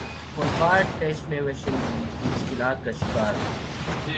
Hobart test میں West Indies مشکلات کا شکار